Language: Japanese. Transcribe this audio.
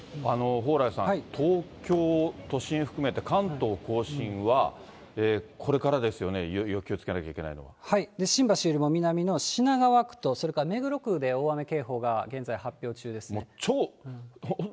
蓬莱さん、東京都心含めて、関東甲信はこれからですよね、新橋よりも南の品川区と、それから目黒区で大雨警報が現在発表中ですね。